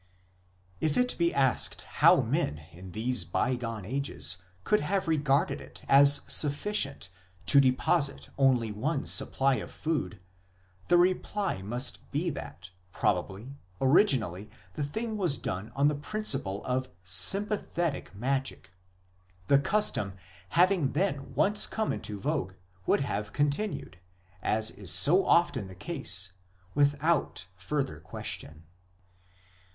If it be asked how men in these bygone ages could have regarded it as sufficient to deposit only one supply of food, the reply must be that, probably, originally the thing was done on the principle of sympathetic magic 2 ; the custom, having then once come into vogue, would have continued, as is so often the case, without further question.